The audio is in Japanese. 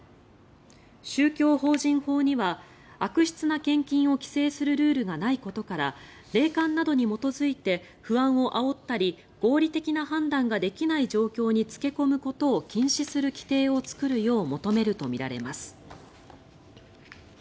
宗教法人法には悪質な献金を規制するルールがないことから霊感などに基づいて不安をあおったり合理的な判断ができない状況に付け込むことを禁止する規定を作るよう求めるとみられます。